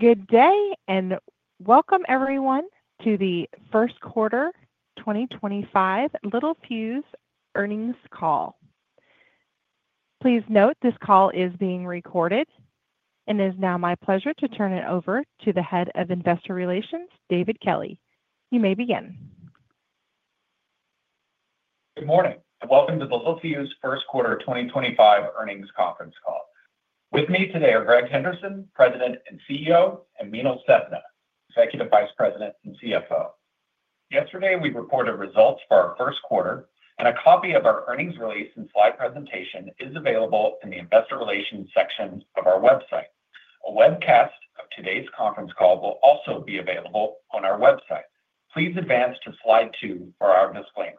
Good day and welcome, everyone, to the First Quarter 2025 Littelfuse Earnings Call. Please note this call is being recorded, and it is now my pleasure to turn it over to the Head of Investor Relations, David Kelley. You may begin. Good morning and welcome to the Littelfuse First Quarter 2025 Earnings Conference Call. With me today are Greg Henderson, President and CEO, and Meenal Sethna, Executive Vice President and CFO. Yesterday, we reported results for our Q1, and a copy of our earnings release and slide presentation is available in the investor relations section of our website. A webcast of today's conference call will also be available on our website. Please advance to slide two for our disclaimers.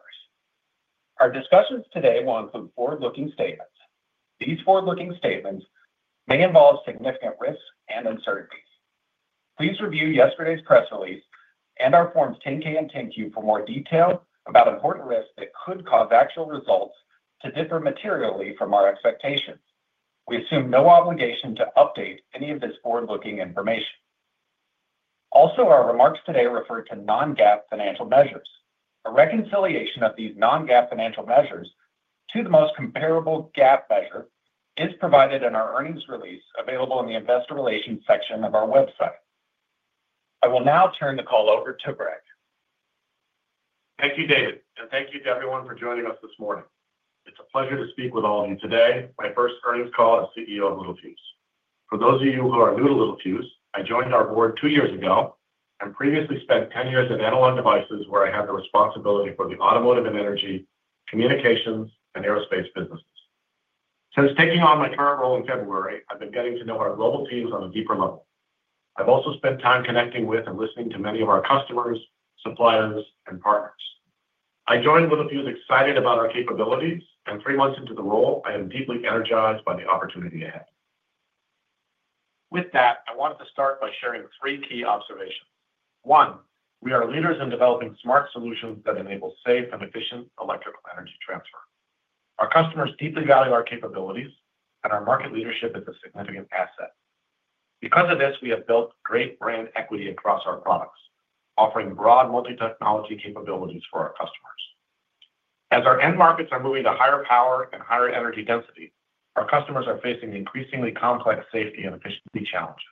Our discussions today will include forward-looking statements. These forward-looking statements may involve significant risks and uncertainties. Please review yesterday's press release and our forms 10-K and 10-Q for more detail about important risks that could cause actual results to differ materially from our expectations. We assume no obligation to update any of this forward-looking information. Also, our remarks today refer to non-GAAP financial measures. A reconciliation of these non-GAAP financial measures to the most comparable GAAP measure is provided in our earnings release available in the investor relations section of our website. I will now turn the call over to Greg. Thank you, David, and thank you to everyone for joining us this morning. It's a pleasure to speak with all of you today. My first earnings call as CEO of Littelfuse. For those of you who are new to Littelfuse, I joined our board two years ago and previously spent 10 years at Analog Devices, where I had the responsibility for the automotive and energy communications and aerospace businesses. Since taking on my current role in February, I've been getting to know our global teams on a deeper level. I've also spent time connecting with and listening to many of our customers, suppliers, and partners. I joined Littelfuse excited about our capabilities, and three months into the role, I am deeply energized by the opportunity ahead. With that, I wanted to start by sharing three key observations. One, we are leaders in developing smart solutions that enable safe and efficient electrical energy transfer. Our customers deeply value our capabilities, and our market leadership is a significant asset. Because of this, we have built great brand equity across our products, offering broad multi-technology capabilities for our customers. As our end markets are moving to higher power and higher energy density, our customers are facing increasingly complex safety and efficiency challenges.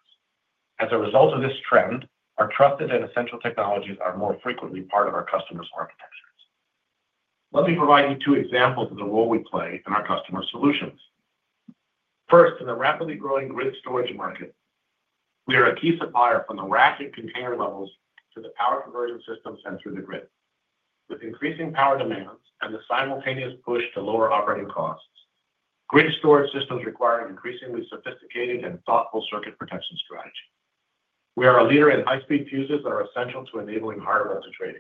As a result of this trend, our trusted and essential technologies are more frequently part of our customers' architectures. Let me provide you two examples of the role we play in our customer solutions. First, in the rapidly growing grid storage market, we are a key supplier from the rack and container levels to the power conversion systems sent through the grid. With increasing power demands and the simultaneous push to lower operating costs, grid storage systems require an increasingly sophisticated and thoughtful circuit protection strategy. We are a leader in high-speed fuses that are essential to enabling hardware to trade.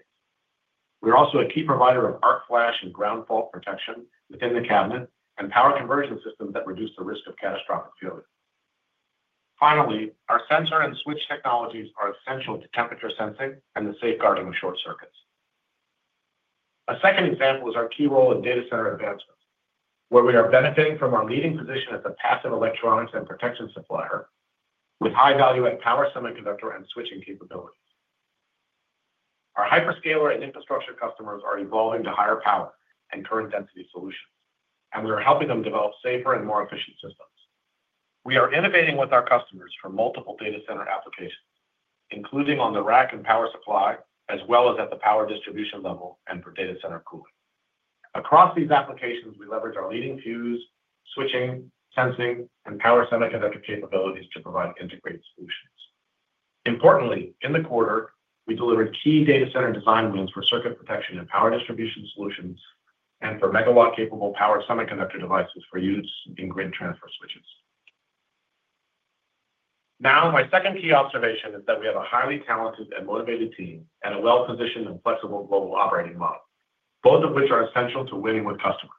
We're also a key provider of arc flash and ground fault protection within the cabinet and power conversion systems that reduce the risk of catastrophic failure. Finally, our sensor and switch technologies are essential to temperature sensing and the safeguarding of short circuits. A second example is our key role in data center advancements, where we are benefiting from our leading position as a passive electronics and protection supplier with high-value and power semiconductor and switching capabilities. Our hyperscaler and infrastructure customers are evolving to higher power and current density solutions, and we are helping them develop safer and more efficient systems. We are innovating with our customers for multiple data center applications, including on the rack and power supply, as well as at the power distribution level and for data center cooling. Across these applications, we leverage our leading fuse, switching, sensing, and power semiconductor capabilities to provide integrated solutions. Importantly, in the quarter, we delivered key data center design wins for circuit protection and power distribution solutions and for megawatt-capable power semiconductor devices for use in grid transfer switches. Now, my second key observation is that we have a highly talented and motivated team and a well-positioned and flexible global operating model, both of which are essential to winning with customers.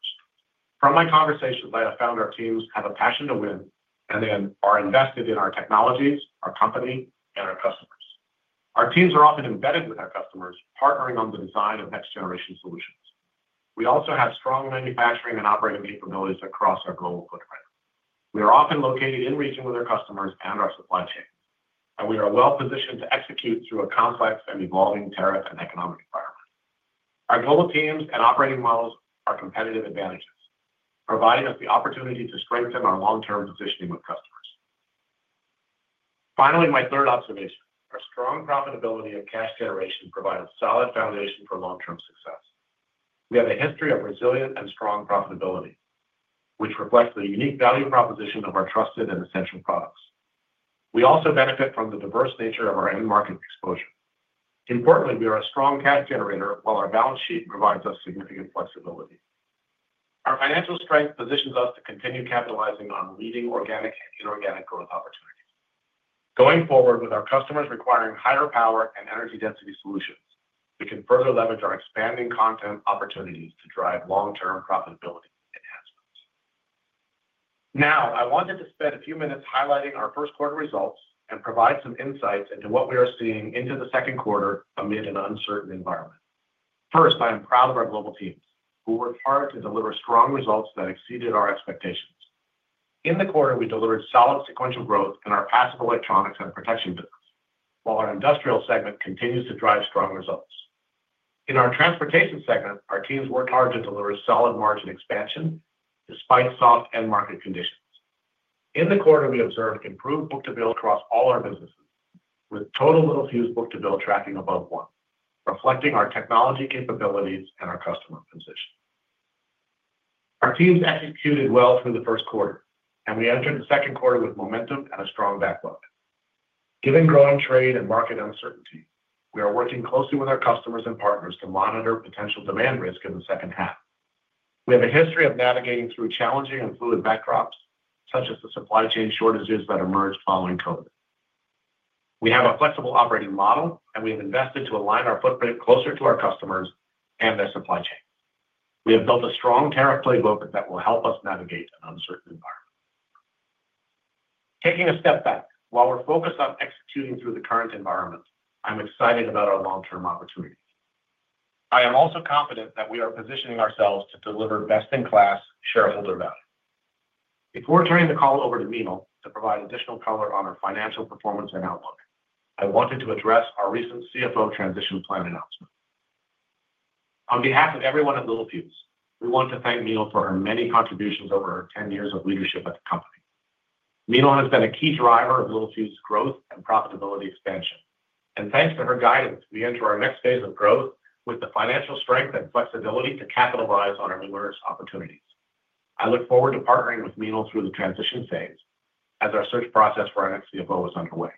From my conversations, I have found our teams have a passion to win and are invested in our technologies, our company, and our customers. Our teams are often embedded with our customers, partnering on the design of next-generation solutions. We also have strong manufacturing and operating capabilities across our global footprint. We are often located in region with our customers and our supply chains, and we are well-positioned to execute through a complex and evolving tariff and economic environment. Our global teams and operating models are competitive advantages, providing us the opportunity to strengthen our long-term positioning with customers. Finally, my third observation: our strong profitability and cash generation provide a solid foundation for long-term success. We have a history of resilient and strong profitability, which reflects the unique value proposition of our trusted and essential products. We also benefit from the diverse nature of our end market exposure. Importantly, we are a strong cash generator, while our balance sheet provides us significant flexibility. Our financial strength positions us to continue capitalizing on leading organic and inorganic growth opportunities. Going forward with our customers requiring higher power and energy density solutions, we can further leverage our expanding content opportunities to drive long-term profitability enhancements. Now, I wanted to spend a few minutes highlighting our Q1 results and provide some insights into what we are seeing into Q2 amid an uncertain environment. First, I am proud of our global teams, who worked hard to deliver strong results that exceeded our expectations. In the quarter, we delivered solid sequential growth in our passive electronics and protection business, while our industrial segment continues to drive strong results. In our transportation segment, our teams worked hard to deliver solid margin expansion despite soft end market conditions. In the quarter, we observed improved book-to-bill across all our businesses, with total Littelfuse book-to-bill tracking above one, reflecting our technology capabilities and our customer position. Our teams executed well through Q1, and we entered Q2 with momentum and a strong backlog. Given growing trade and market uncertainty, we are working closely with our customers and partners to monitor potential demand risk in the second half. We have a history of navigating through challenging and fluid backdrops, such as the supply chain shortages that emerged following COVID. We have a flexible operating model, and we have invested to align our footprint closer to our customers and their supply chains. We have built a strong tariff playbook that will help us navigate an uncertain environment. Taking a step back, while we're focused on executing through the current environment, I'm excited about our long-term opportunity. I am also confident that we are positioning ourselves to deliver best-in-class shareholder value. Before turning the call over to Meenal to provide additional color on our financial performance and outlook, I wanted to address our recent CFO transition plan announcement. On behalf of everyone at Littelfuse, we want to thank Meenal for her many contributions over her 10 years of leadership at the company. Meenal has been a key driver of Littelfuse's growth and profitability expansion, and thanks to her guidance, we enter our next phase of growth with the financial strength and flexibility to capitalize on our numerous opportunities. I look forward to partnering with Meenal through the transition phase as our search process for our next CFO is underway.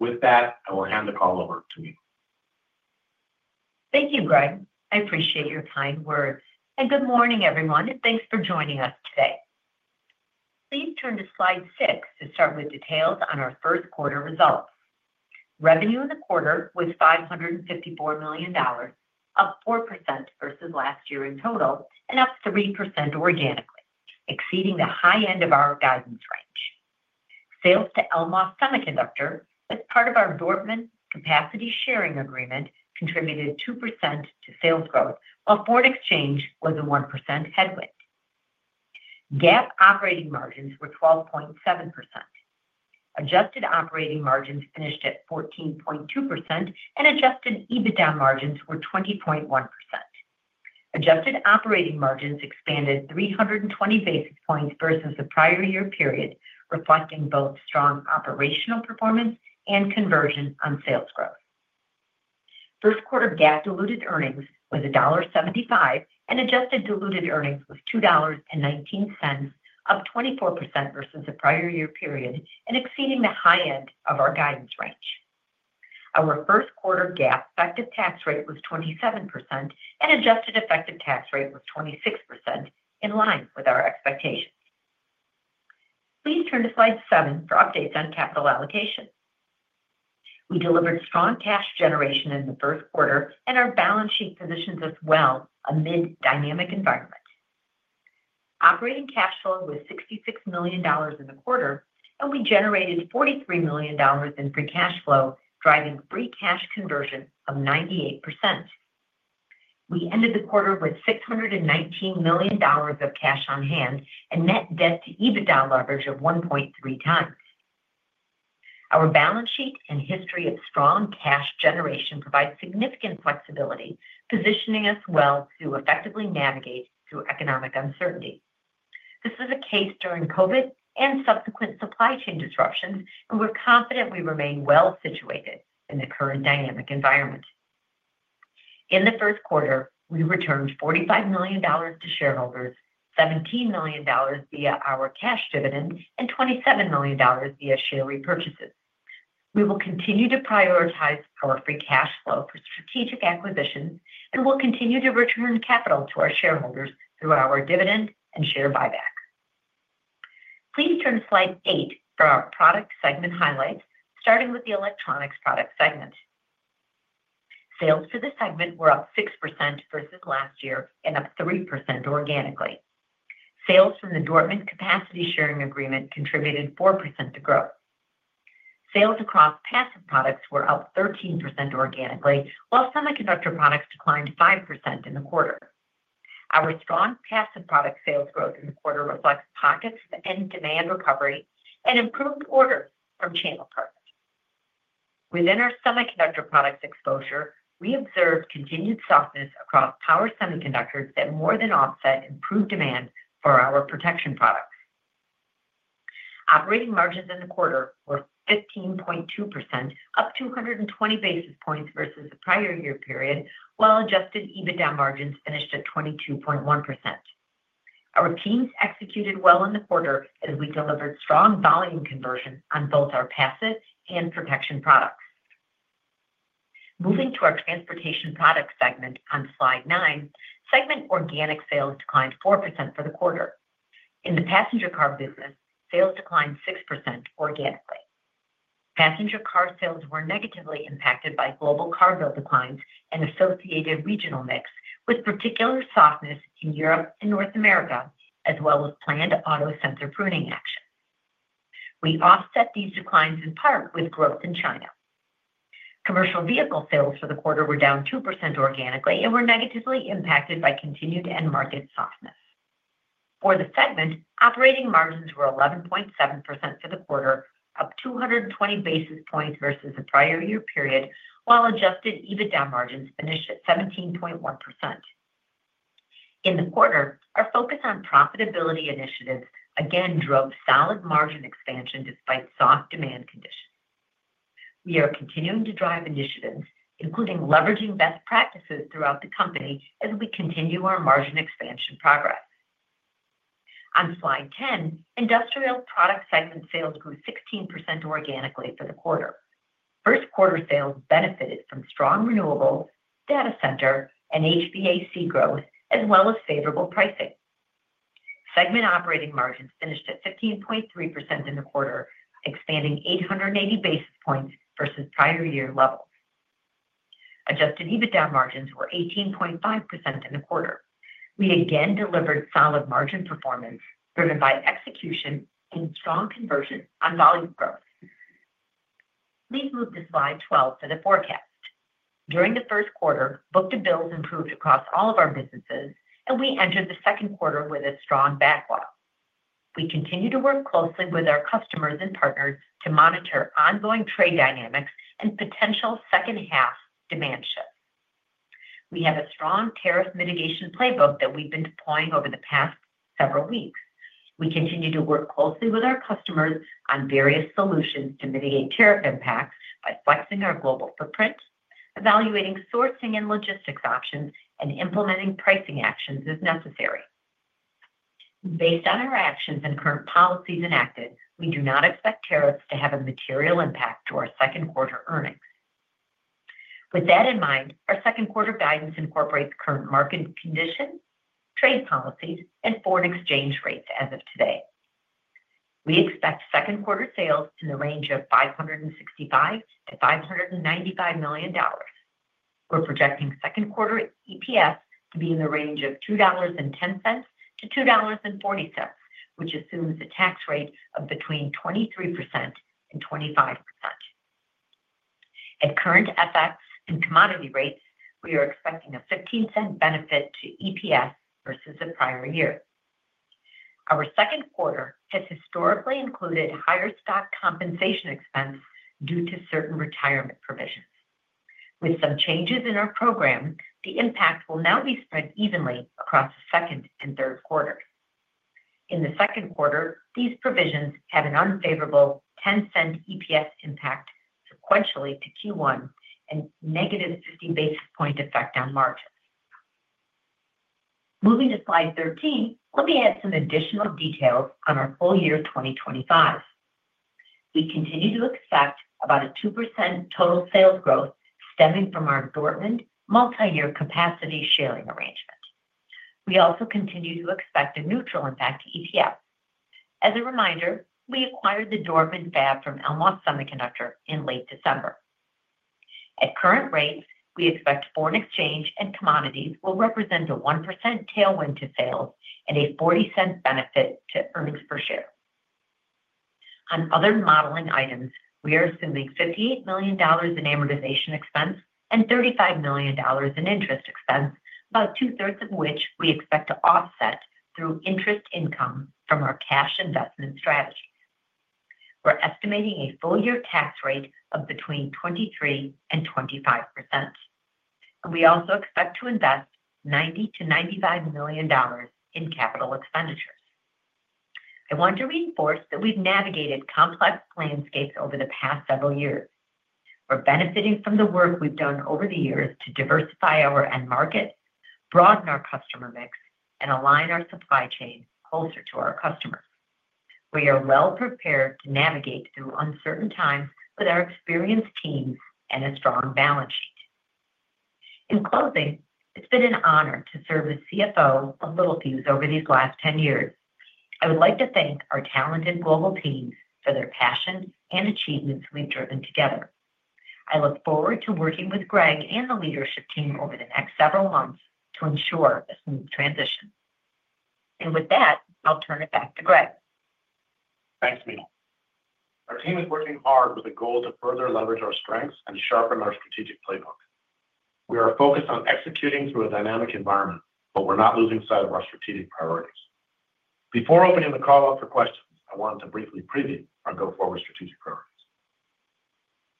With that, I will hand the call over to Meenal. Thank you, Greg. I appreciate your kind words. Good morning, everyone, and thanks for joining us today. Please turn to slide six to start with details on our Q1 results. Revenue in the quarter was $554 million, up 4% versus last year in total, and up 3% organically, exceeding the high end of our guidance range. Sales to Elmos Semiconductor, as part of our Dortmund capacity sharing agreement, contributed 2% to sales growth, while forward exchange was a 1% headwind. GAAP operating margins were 12.7%. Adjusted operating margins finished at 14.2%, and adjusted EBITDA margins were 20.1%. Adjusted operating margins expanded 320 basis points versus the prior year period, reflecting both strong operational performance and conversion on sales growth. Q1 GAAP diluted earnings was $1.75, and adjusted diluted earnings was $2.19, up 24% versus the prior year period, and exceeding the high end of our guidance range. Our Q1 GAAP effective tax rate was 27%, and adjusted effective tax rate was 26%, in line with our expectations. Please turn to slide seven for updates on capital allocation. We delivered strong cash generation in Q1, and our balance sheet positions us well amid a dynamic environment. Operating cash flow was $66 million in the quarter, and we generated $43 million in free cash flow, driving free cash conversion of 98%. We ended the quarter with $619 million of cash on hand and net debt-to-EBITDA leverage of 1.3x. Our balance sheet and history of strong cash generation provide significant flexibility, positioning us well to effectively navigate through economic uncertainty. This was the case during COVID and subsequent supply chain disruptions, and we're confident we remain well situated in the current dynamic environment. In Q1, we returned $45 million to shareholders, $17 million via our cash dividend, and $27 million via share repurchases. We will continue to prioritize our free cash flow for strategic acquisitions and will continue to return capital to our shareholders through our dividend and share buyback. Please turn to slide eight for our product segment highlights, starting with the electronics product segment. Sales for this segment were up 6% versus last year and up 3% organically. Sales from the Dortmund capacity sharing agreement contributed 4% to growth. Sales across passive products were up 13% organically, while semiconductor products declined 5% in the quarter. Our strong passive product sales growth in the quarter reflects pockets of end demand recovery and improved orders from channel partners. Within our semiconductor products exposure, we observed continued softness across power semiconductors that more than offset improved demand for our protection products. Operating margins in the quarter were 15.2%, up 220 basis points versus the prior year period, while adjusted EBITDA margins finished at 22.1%. Our teams executed well in the quarter as we delivered strong volume conversion on both our passive and protection products. Moving to our transportation product segment on slide nine, segment organic sales declined 4% for the quarter. In the passenger car business, sales declined 6% organically. Passenger car sales were negatively impacted by global car bill declines and associated regional mix, with particular softness in Europe and North America, as well as planned auto sensor pruning action. We offset these declines in part with growth in China. Commercial vehicle sales for the quarter were down 2% organically and were negatively impacted by continued end market softness. For the segment, operating margins were 11.7% for the quarter, up 220 basis points versus the prior year period, while adjusted EBITDA margins finished at 17.1%. In the quarter, our focus on profitability initiatives again drove solid margin expansion despite soft demand conditions. We are continuing to drive initiatives, including leveraging best practices throughout the company as we continue our margin expansion progress. On slide 10, industrial product segment sales grew 16% organically for the quarter. Q1 sales benefited from strong renewables, data center, and HVAC growth, as well as favorable pricing. Segment operating margins finished at 15.3% in the quarter, expanding 880 basis points versus prior year levels. Adjusted EBITDA margins were 18.5% in the quarter. We again delivered solid margin performance driven by execution and strong conversion on volume growth. Please move to slide 12 for the forecast. During Q1, book-to-bills improved across all of our businesses, and we entered Q2 with a strong backlog. We continue to work closely with our customers and partners to monitor ongoing trade dynamics and potential second-half demand shifts. We have a strong tariff mitigation playbook that we've been deploying over the past several weeks. We continue to work closely with our customers on various solutions to mitigate tariff impacts by flexing our global footprint, evaluating sourcing and logistics options, and implementing pricing actions as necessary. Based on our actions and current policies enacted, we do not expect tariffs to have a material impact to our Q2 earnings. With that in mind, our Q2 guidance incorporates current market conditions, trade policies, and forward exchange rates as of today. We expect Q2 sales in the range of $565 to 595 million. We're projecting Q2 EPS to be in the range of $2.10 to 2.40, which assumes a tax rate of between 23% and 25%. At current FX and commodity rates, we are expecting a $0.15 benefit to EPS versus the prior year. Our Q2 has historically included higher stock compensation expense due to certain retirement provisions. With some changes in our program, the impact will now be spread evenly across the second and Q3. In Q2, these provisions have an unfavorable $0.10 EPS impact sequentially to Q1 and negative 50 basis point effect on margins. Moving to slide 13, let me add some additional details on our full year 2025. We continue to expect about a 2% total sales growth stemming from our Dortmund multi-year capacity sharing arrangement. We also continue to expect a neutral impact to EPS. As a reminder, we acquired the Dortmund fab from Elmos Semiconductor in late December. At current rates, we expect forward exchange and commodities will represent a 1% tailwind to sales and a $0.40 benefit to earnings per share. On other modeling items, we are assuming $58 million in amortization expense and $35 million in interest expense, about two-thirds of which we expect to offset through interest income from our cash investment strategy. We're estimating a full year tax rate of between 23% and 25%. We also expect to invest $90 to 95 million in capital expenditures. I want to reinforce that we've navigated complex landscapes over the past several years. We're benefiting from the work we've done over the years to diversify our end market, broaden our customer mix, and align our supply chain closer to our customers. We are well prepared to navigate through uncertain times with our experienced teams and a strong balance sheet. In closing, it's been an honor to serve as CFO of Littelfuse over these last 10 years. I would like to thank our talented global teams for their passion and achievements we've driven together. I look forward to working with Greg and the leadership team over the next several months to ensure a smooth transition. I'll turn it back to Greg. Thanks, Meenal. Our team is working hard with a goal to further leverage our strengths and sharpen our strategic playbook. We are focused on executing through a dynamic environment, but we're not losing sight of our strategic priorities. Before opening the call up for questions, I want to briefly preview our go forward strategic priorities.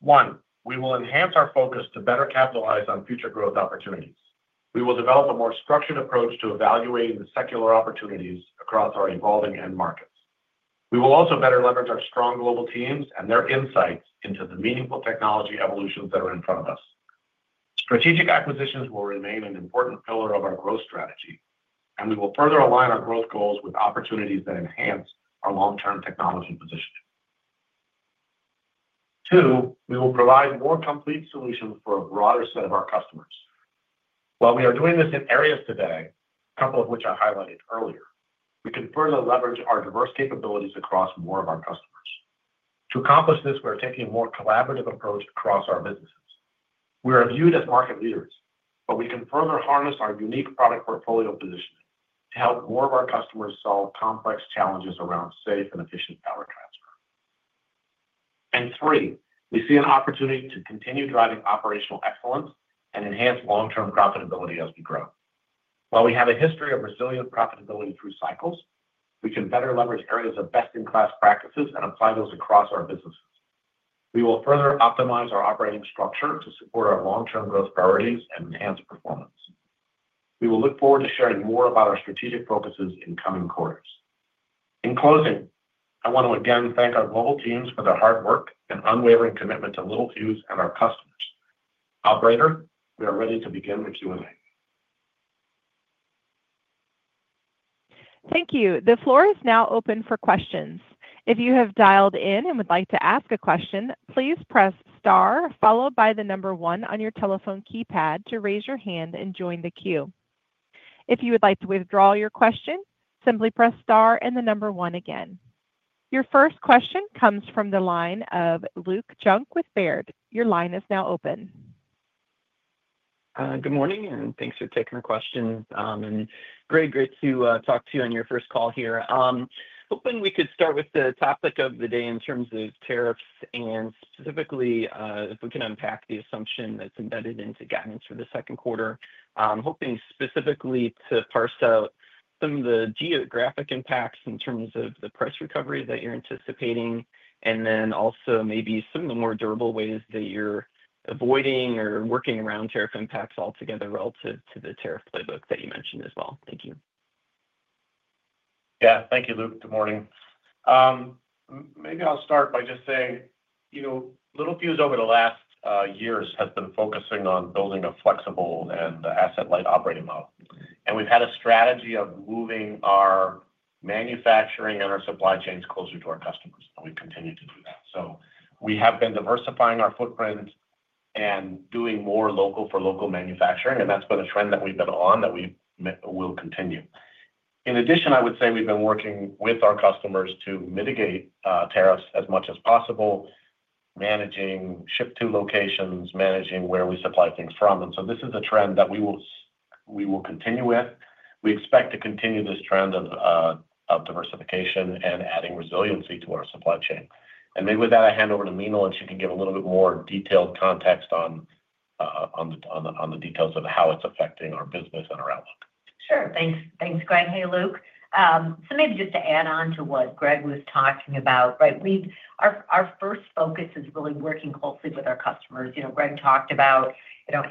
One, we will enhance our focus to better capitalize on future growth opportunities. We will develop a more structured approach to evaluating the secular opportunities across our evolving end markets. We will also better leverage our strong global teams and their insights into the meaningful technology evolutions that are in front of us. Strategic acquisitions will remain an important pillar of our growth strategy, and we will further align our growth goals with opportunities that enhance our long-term technology positioning. Two, we will provide more complete solutions for a broader set of our customers. While we are doing this in areas today, a couple of which I highlighted earlier, we can further leverage our diverse capabilities across more of our customers. To accomplish this, we are taking a more collaborative approach across our businesses. We are viewed as market leaders, but we can further harness our unique product portfolio positioning to help more of our customers solve complex challenges around safe and efficient power transfer. Three, we see an opportunity to continue driving operational excellence and enhance long-term profitability as we grow. While we have a history of resilient profitability through cycles, we can better leverage areas of best-in-class practices and apply those across our businesses. We will further optimize our operating structure to support our long-term growth priorities and enhance performance. We will look forward to sharing more about our strategic focuses in coming quarters. In closing, I want to again thank our global teams for their hard work and unwavering commitment to Littelfuse and our customers. Operator, we are ready to begin the Q&A. Thank you. The floor is now open for questions. If you have dialed in and would like to ask a question, please press star, followed by the number one on your telephone keypad to raise your hand and join the queue. If you would like to withdraw your question, simply press star and the number one again. Your first question comes from the line of Luke Junk with Baird. Your line is now open. Good morning, and thanks for taking our question. Greg, great to talk to you on your first call here. Hoping we could start with the topic of the day in terms of tariffs and specifically if we can unpack the assumption that's embedded into guidance for Q2. Hoping specifically to parse out some of the geographic impacts in terms of the price recovery that you're anticipating, and then also maybe some of the more durable ways that you're avoiding or working around tariff impacts altogether relative to the tariff playbook that you mentioned as well. Thank you. Yeah, thank you, Luke. Good morning. Maybe I'll start by just saying Littelfuse over the last years has been focusing on building a flexible and asset-light operating model. We've had a strategy of moving our manufacturing and our supply chains closer to our customers, and we continue to do that. We have been diversifying our footprint and doing more local-for-local manufacturing, and that's been a trend that we've been on that we will continue. In addition, I would say we've been working with our customers to mitigate tariffs as much as possible, managing ship-to locations, managing where we supply things from. This is a trend that we will continue with. We expect to continue this trend of diversification and adding resiliency to our supply chain. Maybe with that, I hand over to Meenal, and she can give a little bit more detailed context on the details of how it's affecting our business and our outlook. Sure. Thanks, Greg. Hey, Luke. Maybe just to add on to what Greg was talking about, our first focus is really working closely with our customers. Greg talked about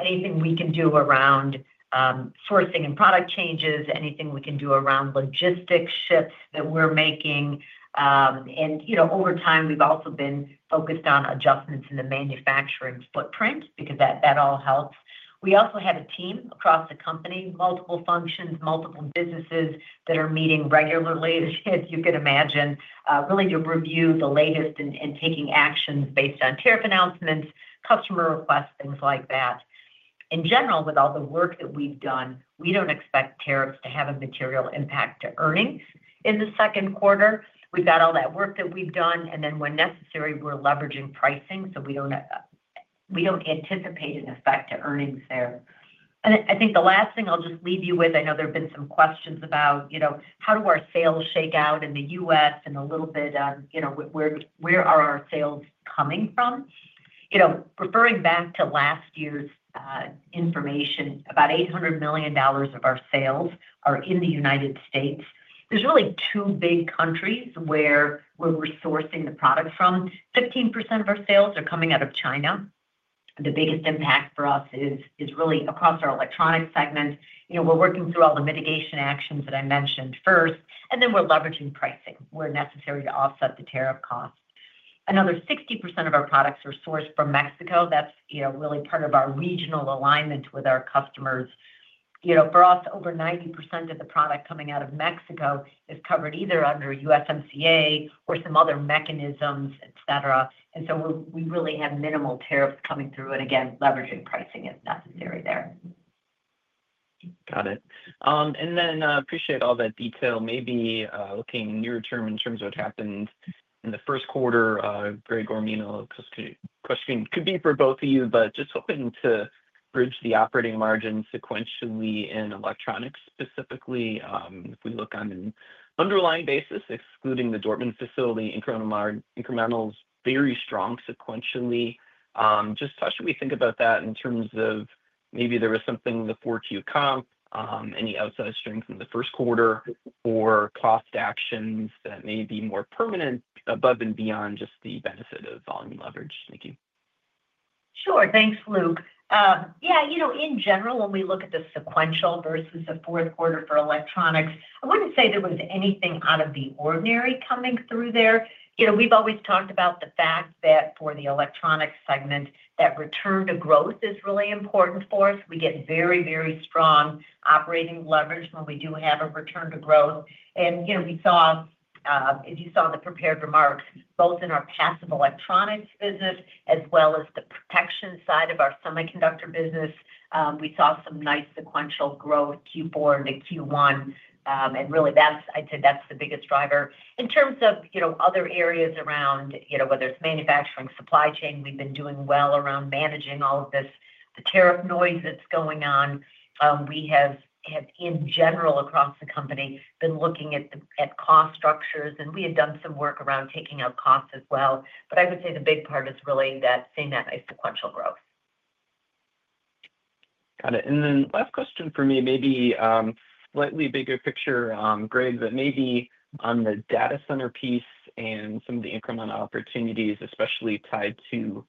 anything we can do around sourcing and product changes, anything we can do around logistics shifts that we're making. Over time, we've also been focused on adjustments in the manufacturing footprint because that all helps. We also have a team across the company, multiple functions, multiple businesses that are meeting regularly, as you can imagine, really to review the latest and taking actions based on tariff announcements, customer requests, things like that. In general, with all the work that we've done, we don't expect tariffs to have a material impact to earnings in Q2. We've got all that work that we've done, and when necessary, we're leveraging pricing, so we don't anticipate an effect to earnings there. I think the last thing I'll just leave you with, I know there have been some questions about how do our sales shake out in the US and a little bit on where are our sales coming from. Referring back to last year's information, about $800 million of our sales are in the United States. There are really two big countries where we're sourcing the product from. 15% of our sales are coming out of China. The biggest impact for us is really across our electronics segment. We're working through all the mitigation actions that I mentioned first, and we're leveraging pricing where necessary to offset the tariff costs. Another 60% of our products are sourced from Mexico. That's really part of our regional alignment with our customers. For us, over 90% of the product coming out of Mexico is covered either under USMCA or some other mechanisms, etc. We really have minimal tariffs coming through and, again, leveraging pricing if necessary there. Got it. I appreciate all that detail. Maybe looking near-term in terms of what happened in Q1, Greg or Meenal, question could be for both of you, but just hoping to bridge the operating margins sequentially in electronics specifically. If we look on an underlying basis, excluding the Dortmund facility incrementals, very strong sequentially. Just how should we think about that in terms of maybe there was something in the forward-to-account, any outsized strength in Q1, or cost actions that may be more permanent above and beyond just the benefit of volume leverage? Thank you. Sure. Thanks, Luke. Yeah, in general, when we look at the sequential versus Q4 for electronics, I wouldn't say there was anything out of the ordinary coming through there. We've always talked about the fact that for the electronics segment, that return to growth is really important for us. We get very, very strong operating leverage when we do have a return to growth. You saw, as you saw in the prepared remarks, both in our passive electronics business as well as the protection side of our semiconductor business, we saw some nice sequential growth Q4 into Q1. Really, I'd say that's the biggest driver. In terms of other areas around whether it's manufacturing, supply chain, we've been doing well around managing all of this, the tariff noise that's going on. We have, in general, across the company, been looking at cost structures, and we had done some work around taking out costs as well. I would say the big part is really that seeing that nice sequential growth. Got it. Last question for me, maybe slightly bigger picture, Greg, but maybe on the data center piece and some of the incremental opportunities, especially tied to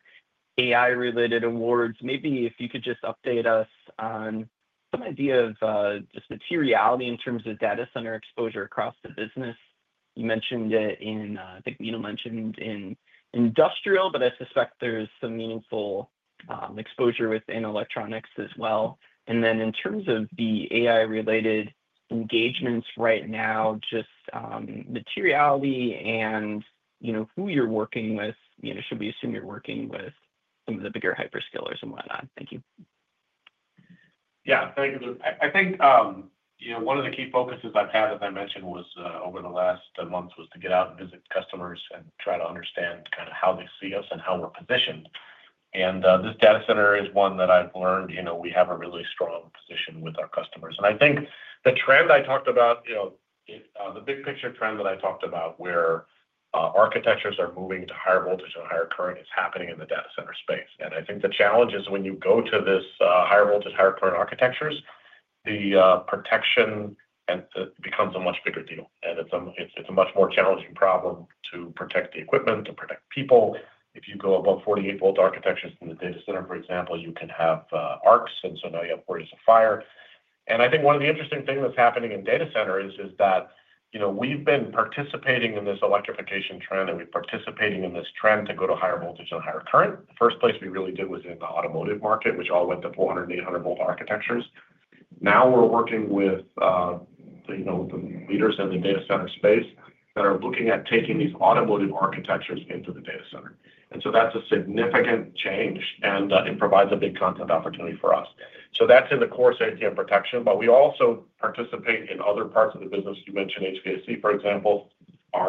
AI-related awards. Maybe if you could just update us on some idea of just materiality in terms of data center exposure across the business. You mentioned it in, I think Meenal mentioned in industrial, but I suspect there's some meaningful exposure within electronics as well. In terms of the AI-related engagements right now, just materiality and who you're working with, should we assume you're working with some of the bigger hyperscalers and whatnot? Thank you. Yeah, thank you, Luke. I think one of the key focuses I've had, as I mentioned, was over the last months was to get out and visit customers and try to understand kind of how they see us and how we're positioned. This data center is one that I've learned we have a really strong position with our customers. I think the trend I talked about, the big picture trend that I talked about where architectures are moving to higher voltage and higher current is happening in the data center space. I think the challenge is when you go to these higher voltage, higher current architectures, the protection becomes a much bigger deal. It's a much more challenging problem to protect the equipment, to protect people. If you go above 48-volt architectures in the data center, for example, you can have arcs, and now you have worries of fire. I think one of the interesting things that's happening in data centers is that we've been participating in this electrification trend, and we're participating in this trend to go to higher voltage and higher current. The first place we really did was in the automotive market, which all went to 400 and 800-volt architectures. Now we're working with the leaders in the data center space that are looking at taking these automotive architectures into the data center. That is a significant change, and it provides a big content opportunity for us. That is in the core safety and protection, but we also participate in other parts of the business. You mentioned HVAC, for example. In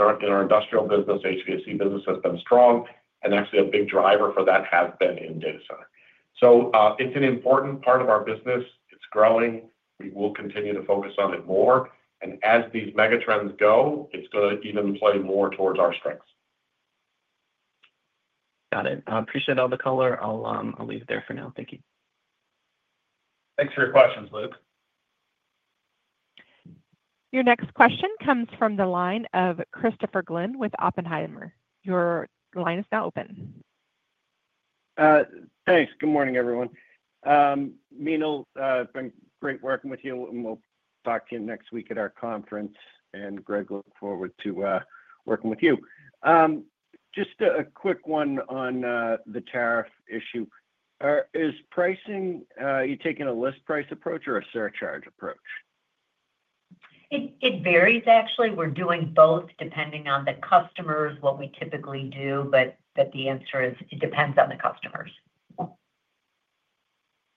our industrial business, HVAC business has been strong, and actually a big driver for that has been in data center. It is an important part of our business. It is growing. We will continue to focus on it more. As these mega trends go, it is going to even play more towards our strengths. Got it. Appreciate all the color. I'll leave it there for now. Thank you. Thanks for your questions, Luke. Your next question comes from the line of Christopher Glynn with Oppenheimer. Your line is now open. Thanks. Good morning, everyone. Meenal, it's been great working with you. We'll talk to you next week at our conference, and Greg, look forward to working with you. Just a quick one on the tariff issue. Is pricing, are you taking a list price approach or a surcharge approach? It varies, actually. We're doing both depending on the customers, what we typically do, but the answer is it depends on the customers.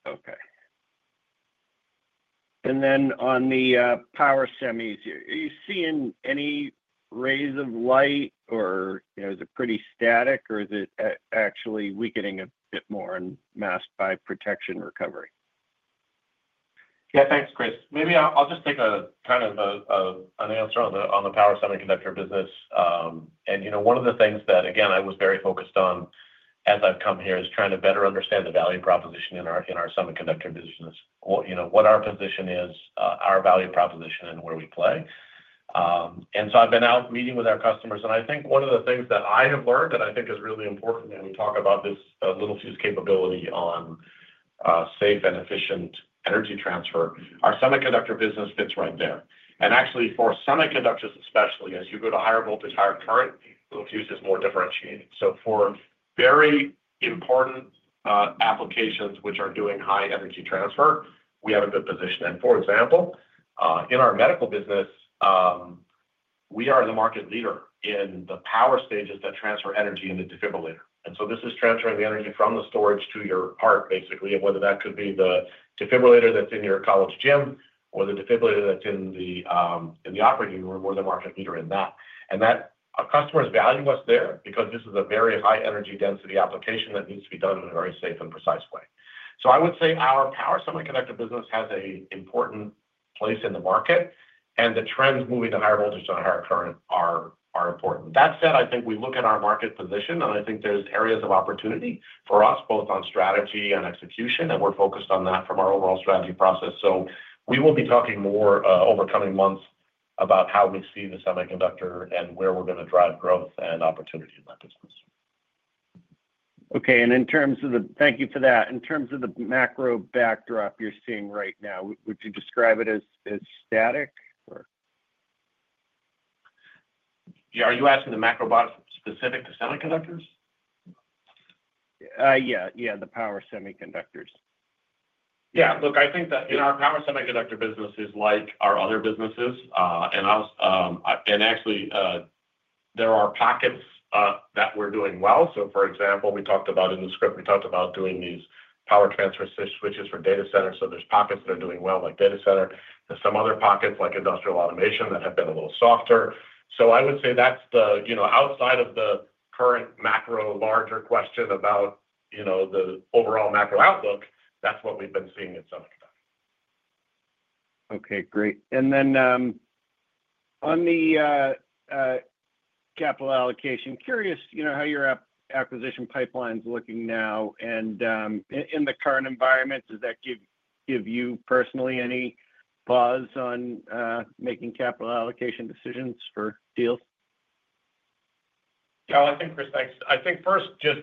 Okay. On the power semis, are you seeing any rays of light, or is it pretty static, or is it actually weakening a bit more and masked by protection recovery? Yeah, thanks, Chris. Maybe I'll just take kind of an answer on the power semiconductor business. One of the things that, again, I was very focused on as I've come here is trying to better understand the value proposition in our semiconductor business, what our position is, our value proposition, and where we play. I've been out meeting with our customers, and I think one of the things that I have learned that I think is really important when we talk about this Littelfuse capability on safe and efficient energy transfer, our semiconductor business fits right there. Actually, for semiconductors especially, as you go to higher voltage, higher current, Littelfuse is more differentiated. For very important applications which are doing high energy transfer, we have a good position. For example, in our medical business, we are the market leader in the power stages that transfer energy into defibrillator. This is transferring the energy from the storage to your heart, basically, and whether that could be the defibrillator that's in your college gym or the defibrillator that's in the operating room, we're the market leader in that. Our customers value us there because this is a very high energy density application that needs to be done in a very safe and precise way. I would say our power semiconductor business has an important place in the market, and the trends moving to higher voltage and higher current are important. That said, I think we look at our market position, and I think there's areas of opportunity for us both on strategy and execution, and we're focused on that from our overall strategy process. We will be talking more over coming months about how we see the semiconductor and where we're going to drive growth and opportunity in that business. Okay. And in terms of the thank you for that. In terms of the macro backdrop you're seeing right now, would you describe it as static or? Yeah. Are you asking the macro specific to semiconductors? Yeah. Yeah, the power semiconductors. Yeah. Look, I think that in our power semiconductor business is like our other businesses. Actually, there are pockets that are doing well. For example, we talked about in the script, we talked about doing these power transfer switches for data centers. There are pockets that are doing well like data center. There are some other pockets like industrial automation that have been a little softer. I would say that is the outside of the current macro larger question about the overall macro outlook, that is what we have been seeing in semiconductors. Okay. Great. On the capital allocation, curious how your acquisition pipeline is looking now. In the current environment, does that give you personally any pause on making capital allocation decisions for deals? Yeah. I think Chris, thanks. I think first, just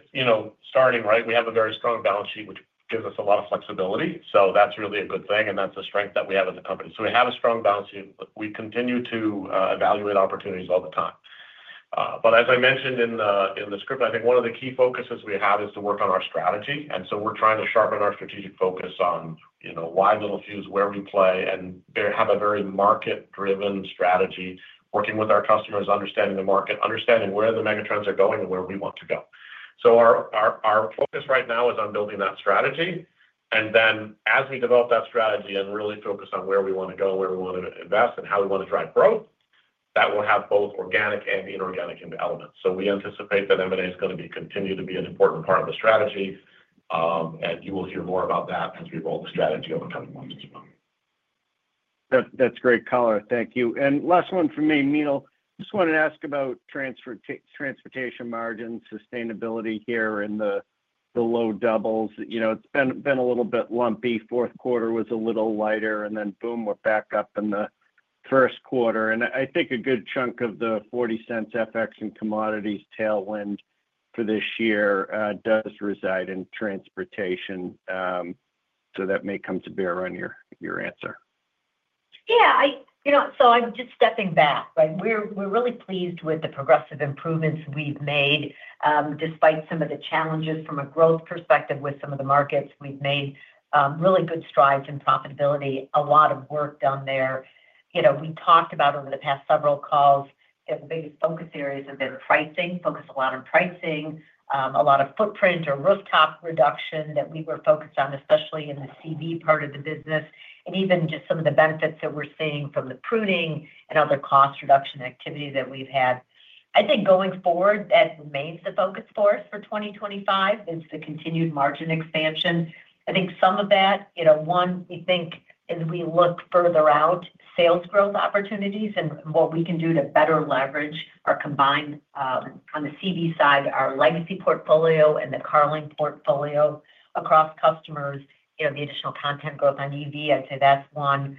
starting, right, we have a very strong balance sheet, which gives us a lot of flexibility. That's really a good thing, and that's a strength that we have as a company. We have a strong balance sheet. We continue to evaluate opportunities all the time. As I mentioned in the script, I think one of the key focuses we have is to work on our strategy. We are trying to sharpen our strategic focus on why Littelfuse, where we play, and have a very market-driven strategy, working with our customers, understanding the market, understanding where the mega trends are going and where we want to go. Our focus right now is on building that strategy. As we develop that strategy and really focus on where we want to go, where we want to invest, and how we want to drive growth, that will have both organic and inorganic elements. We anticipate that M&A is going to continue to be an important part of the strategy. You will hear more about that as we roll the strategy over the coming months as well. That's great, color. Thank you. Last one for me, Meenal. Just wanted to ask about transportation margins, sustainability here in the low doubles. It's been a little bit lumpy. Q4 was a little lighter, and then boom, we're back up in Q1. I think a good chunk of the $0.40 FX and commodities tailwind for this year does reside in transportation. That may come to bear on your answer. Yeah. I'm just stepping back, right? We're really pleased with the progressive improvements we've made despite some of the challenges from a growth perspective with some of the markets. We've made really good strides in profitability, a lot of work done there. We talked about over the past several calls, the biggest focus areas have been pricing, focus a lot on pricing, a lot of footprint or rooftop reduction that we were focused on, especially in the CV part of the business, and even just some of the benefits that we're seeing from the pruning and other cost reduction activity that we've had. I think going forward, that remains the focus for us for 2025 is the continued margin expansion. I think some of that, one, we think as we look further out, sales growth opportunities and what we can do to better leverage our combined on the CV side, our legacy portfolio and the Carling portfolio across customers, the additional content growth on EV, I'd say that's one.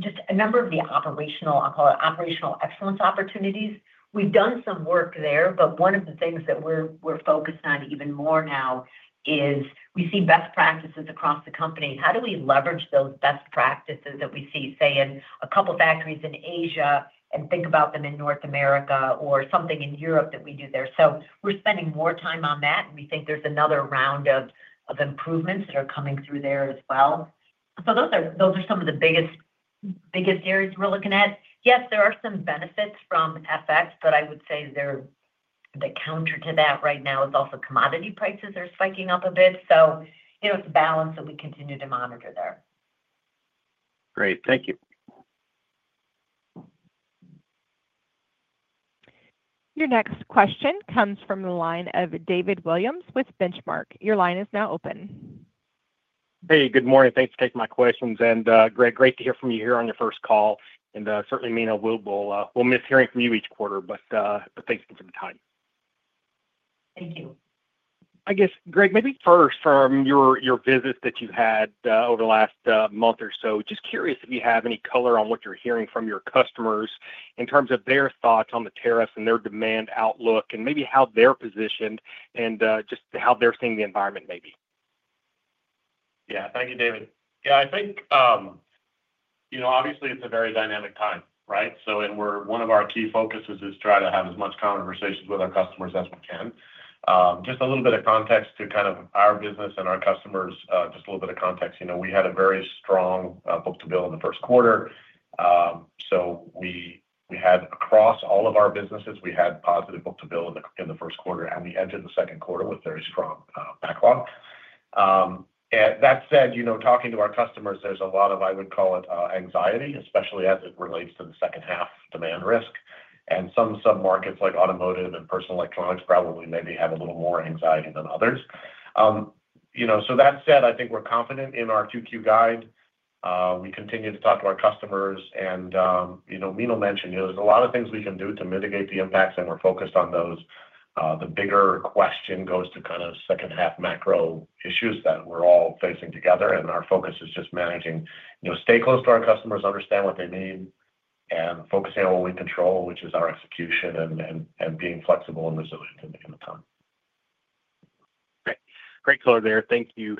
Just a number of the operational, I'll call it operational excellence opportunities. We've done some work there, but one of the things that we're focused on even more now is we see best practices across the company. How do we leverage those best practices that we see, say, in a couple of factories in Asia and think about them in North America or something in Europe that we do there? We are spending more time on that, and we think there's another round of improvements that are coming through there as well. Those are some of the biggest areas we're looking at. Yes, there are some benefits from FX, but I would say the counter to that right now is also commodity prices are spiking up a bit. It is a balance that we continue to monitor there. Great. Thank you. Your next question comes from the line of David Williams with Benchmark. Your line is now open. Hey, good morning. Thanks for taking my questions. Greg, great to hear from you here on your first call. Certainly, Meenal, we'll miss hearing from you each quarter, but thanks again for the time. Thank you. I guess, Greg, maybe first from your visits that you've had over the last month or so, just curious if you have any color on what you're hearing from your customers in terms of their thoughts on the tariffs and their demand outlook and maybe how they're positioned and just how they're seeing the environment, maybe. Yeah. Thank you, David. Yeah. I think obviously, it's a very dynamic time, right? One of our key focuses is to try to have as much conversations with our customers as we can. Just a little bit of context to kind of our business and our customers, just a little bit of context. We had a very strong book-to-bill in Q1. Across all of our businesses, we had positive book-to-bill in Q1, and we entered Q2 with very strong backlog. That said, talking to our customers, there's a lot of, I would call it, anxiety, especially as it relates to the second half demand risk. Some sub-markets like automotive and personal electronics probably maybe have a little more anxiety than others. That said, I think we're confident in our Q2 Guide. We continue to talk to our customers. Meenal mentioned there's a lot of things we can do to mitigate the impacts, and we're focused on those. The bigger question goes to kind of second half macro issues that we're all facing together, and our focus is just managing, stay close to our customers, understand what they need, and focusing on what we control, which is our execution and being flexible and resilient in the time. Great. Great, color, there. Thank you.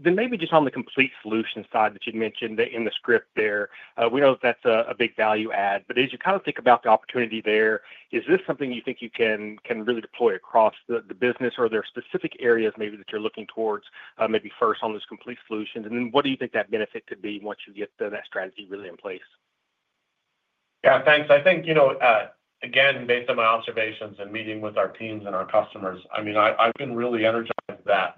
Maybe just on the complete solution side that you'd mentioned in the script there, we know that that's a big value add. As you kind of think about the opportunity there, is this something you think you can really deploy across the business, or are there specific areas maybe that you're looking towards maybe first on those complete solutions? What do you think that benefit could be once you get that strategy really in place? Yeah. Thanks. I think, again, based on my observations and meeting with our teams and our customers, I mean, I've been really energized that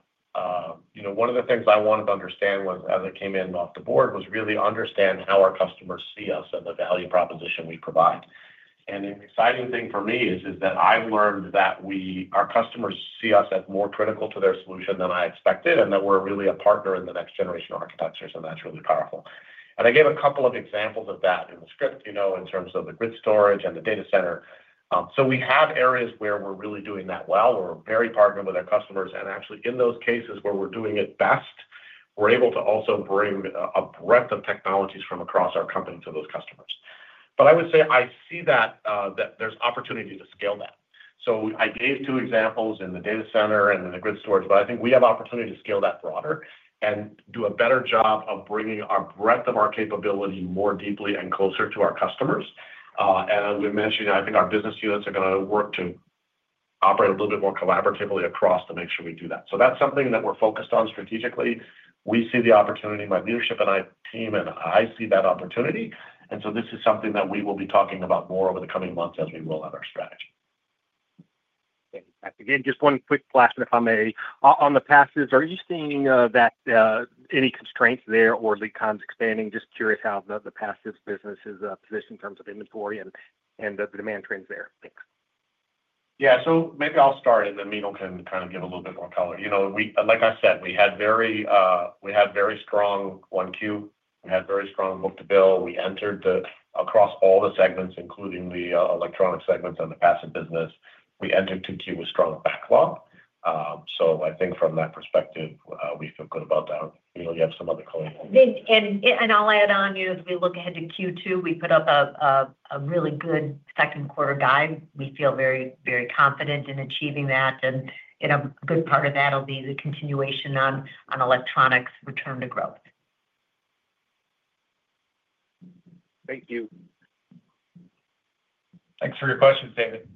one of the things I wanted to understand as I came in off the board was really understand how our customers see us and the value proposition we provide. The exciting thing for me is that I've learned that our customers see us as more critical to their solution than I expected and that we're really a partner in the next generation architectures, and that's really powerful. I gave a couple of examples of that in the script in terms of the grid storage and the data center. We have areas where we're really doing that well. We're very partnered with our customers. Actually, in those cases where we're doing it best, we're able to also bring a breadth of technologies from across our company to those customers. I would say I see that there's opportunity to scale that. I gave two examples in the data center and in the grid storage, but I think we have opportunity to scale that broader and do a better job of bringing our breadth of our capability more deeply and closer to our customers. As we mentioned, I think our business units are going to work to operate a little bit more collaboratively across to make sure we do that. That's something that we're focused on strategically. We see the opportunity in my leadership and I team, and I see that opportunity. This is something that we will be talking about more over the coming months as we roll out our strategy. Thanks. Again, just one quick last one if I may. On the passives, are you seeing any constraints there or lead times expanding? Just curious how the passives business is positioned in terms of inventory and the demand trends there. Thanks. Yeah. Maybe I'll start, and then Meenal can kind of give a little bit more color. Like I said, we had very strong Q1. We had very strong book-to-bill. We entered across all the segments, including the electronic segments and the passive business. We entered Q2 with strong backlog. I think from that perspective, we feel good about that. You have some other color. I'll add on, as we look ahead to Q2, we put up a really good Q2 guide. We feel very confident in achieving that. A good part of that will be the continuation on electronics return to growth. Thank you. Thanks for your questions, David.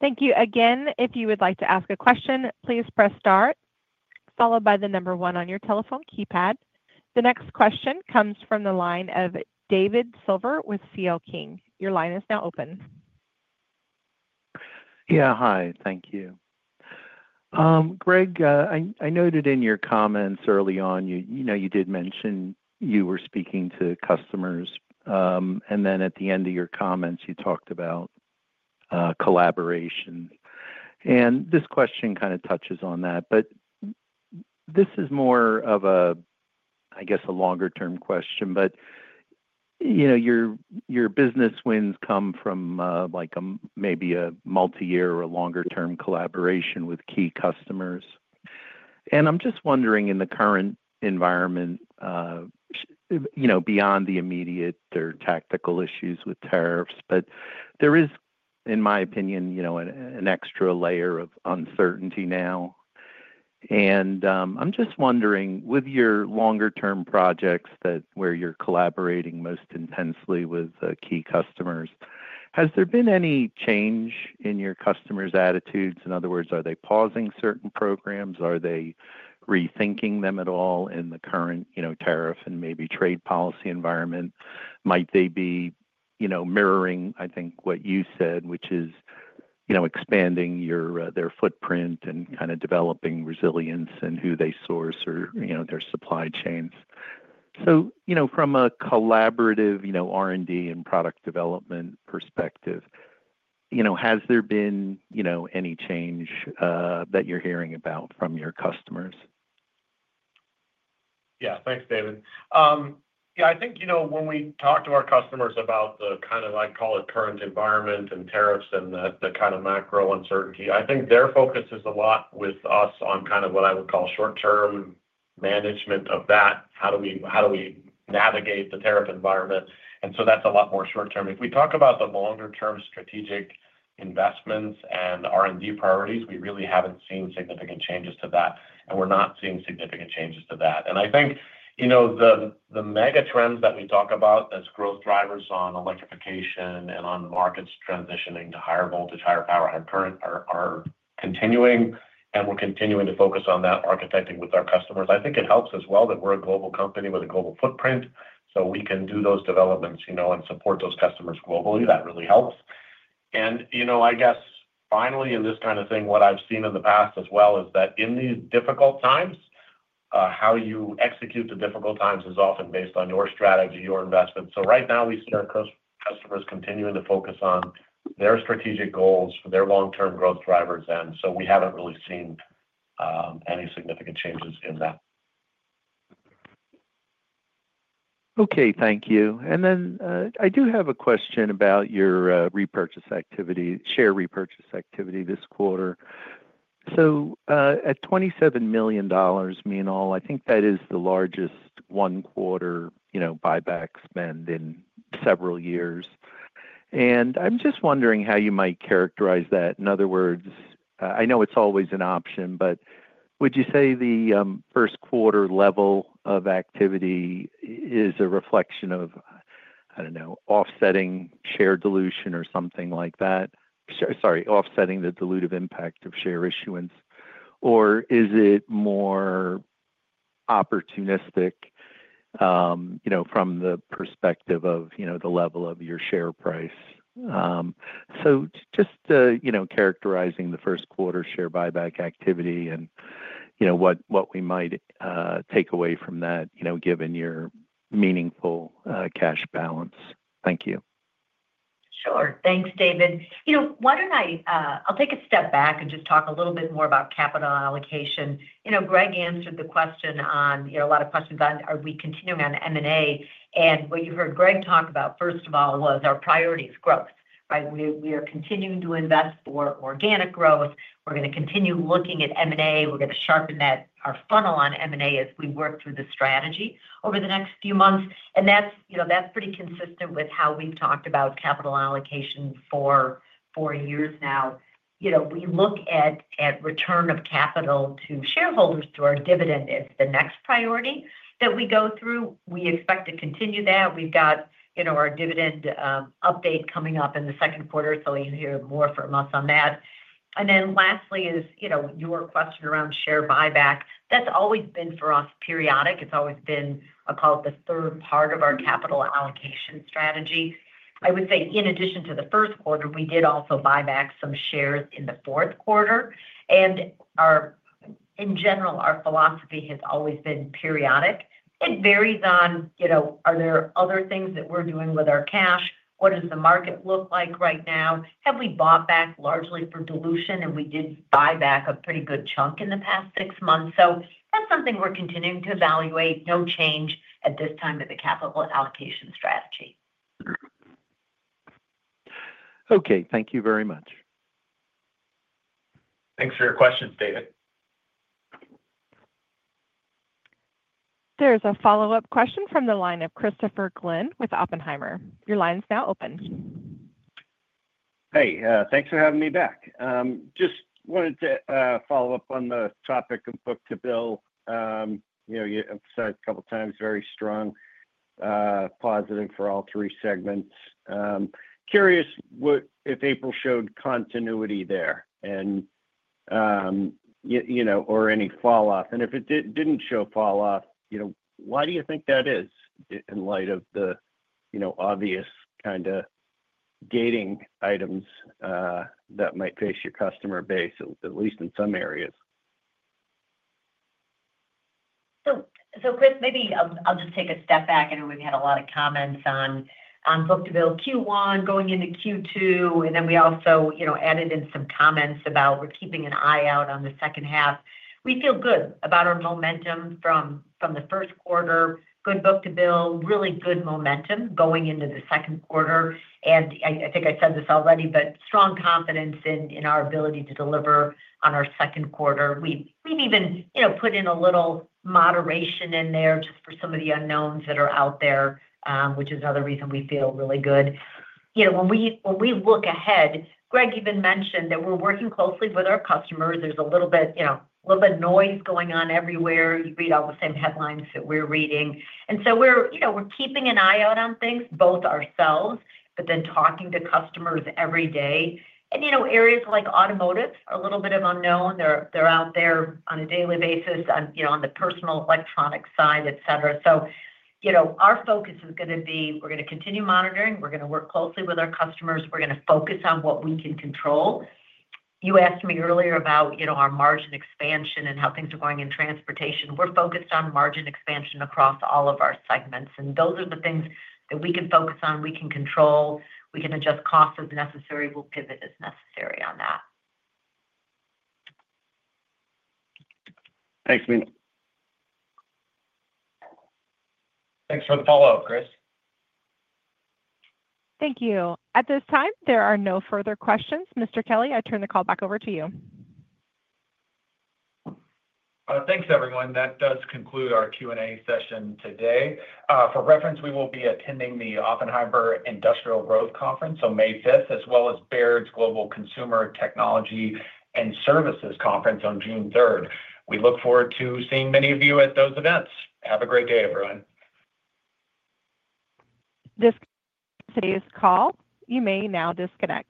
Thank you again. If you would like to ask a question, please press star, followed by the number one on your telephone keypad. The next question comes from the line of David Silver with CL King. Your line is now open. Yeah. Hi. Thank you. Greg, I noted in your comments early on, you did mention you were speaking to customers. At the end of your comments, you talked about collaboration. This question kind of touches on that, but this is more of a, I guess, a longer-term question. Your business wins come from maybe a multi-year or a longer-term collaboration with key customers. I'm just wondering, in the current environment, beyond the immediate or tactical issues with tariffs, there is, in my opinion, an extra layer of uncertainty now. I'm just wondering, with your longer-term projects where you're collaborating most intensely with key customers, has there been any change in your customers' attitudes? In other words, are they pausing certain programs? Are they rethinking them at all in the current tariff and maybe trade policy environment? Might they be mirroring, I think, what you said, which is expanding their footprint and kind of developing resilience in who they source or their supply chains? From a collaborative R&D and product development perspective, has there been any change that you're hearing about from your customers? Yeah. Thanks, David. Yeah. I think when we talk to our customers about the kind of, I'd call it, current environment and tariffs and the kind of macro uncertainty, I think their focus is a lot with us on kind of what I would call short-term management of that. How do we navigate the tariff environment? That is a lot more short-term. If we talk about the longer-term strategic investments and R&D priorities, we really have not seen significant changes to that. We are not seeing significant changes to that. I think the mega trends that we talk about as growth drivers on electrification and on markets transitioning to higher voltage, higher power, higher current are continuing. We are continuing to focus on that architecting with our customers. I think it helps as well that we are a global company with a global footprint. We can do those developments and support those customers globally. That really helps. I guess, finally, in this kind of thing, what I've seen in the past as well is that in these difficult times, how you execute the difficult times is often based on your strategy, your investment. Right now, we see our customers continuing to focus on their strategic goals, their long-term growth drivers. We have not really seen any significant changes in that. Okay. Thank you. I do have a question about your repurchase activity, share repurchase activity this quarter. At $27 million, Meenal, I think that is the largest one-quarter buyback spend in several years. I'm just wondering how you might characterize that. In other words, I know it's always an option, but would you say Q1 level of activity is a reflection of, I don't know, offsetting share dilution or something like that? Sorry, offsetting the dilutive impact of share issuance. Is it more opportunistic from the perspective of the level of your share price? Just characterizing Q1 share buyback activity and what we might take away from that given your meaningful cash balance. Thank you. Sure. Thanks, David. Why don't I take a step back and just talk a little bit more about capital allocation. Greg answered the question on a lot of questions on, are we continuing on M&A? What you heard Greg talk about, first of all, was our priority is growth, right? We are continuing to invest for organic growth. We're going to continue looking at M&A. We're going to sharpen our funnel on M&A as we work through the strategy over the next few months. That's pretty consistent with how we've talked about capital allocation for years now. We look at return of capital to shareholders through our dividend as the next priority that we go through. We expect to continue that. We've got our dividend update coming up in Q2, so you'll hear more from us on that. Lastly, is your question around share buyback. That's always been for us periodic. It's always been, I'll call it, the third part of our capital allocation strategy. I would say in addition to Q1, we did also buy back some shares in Q4. In general, our philosophy has always been periodic. It varies on, are there other things that we're doing with our cash? What does the market look like right now? Have we bought back largely for dilution? We did buy back a pretty good chunk in the past six months. That's something we're continuing to evaluate. No change at this time in the capital allocation strategy. Okay. Thank you very much. Thanks for your questions, David. There is a follow-up question from the line of Christopher Glynn with Oppenheimer. Your line is now open. Hey. Thanks for having me back. Just wanted to follow up on the topic of book-to-bill. You emphasized a couple of times very strong positive for all three segments. Curious if April showed continuity there or any falloff. If it did not show falloff, why do you think that is in light of the obvious kind of gating items that might face your customer base, at least in some areas? Maybe I'll just take a step back. I know we've had a lot of comments on book-to-bill Q1, going into Q2, and then we also added in some comments about we're keeping an eye out on the second half. We feel good about our momentum from Q1. Good book-to-bill, really good momentum going into Q2. I think I said this already, but strong confidence in our ability to deliver on our Q2. We've even put in a little moderation in there just for some of the unknowns that are out there, which is another reason we feel really good. When we look ahead, Greg even mentioned that we're working closely with our customers. There's a little bit of noise going on everywhere. You read all the same headlines that we're reading. We are keeping an eye out on things, both ourselves, but then talking to customers every day. Areas like automotive are a little bit of unknown. They are out there on a daily basis on the personal electronics side, etc. Our focus is going to be we are going to continue monitoring. We are going to work closely with our customers. We are going to focus on what we can control. You asked me earlier about our margin expansion and how things are going in transportation. We are focused on margin expansion across all of our segments. Those are the things that we can focus on. We can control. We can adjust costs as necessary. We will pivot as necessary on that. Thanks, Meenal. Thanks for the follow-up, Chris. Thank you. At this time, there are no further questions. Mr. Kelley, I turn the call back over to you. Thanks, everyone. That does conclude our Q&A session today. For reference, we will be attending the Oppenheimer Industrial Growth Conference on 5th May, as well as Baird's Global Consumer Technology and Services Conference on 3rd June. We look forward to seeing many of you at those events. Have a great day, everyone. This conference is called. You may now disconnect.